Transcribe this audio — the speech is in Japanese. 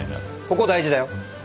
ここ大事だよ。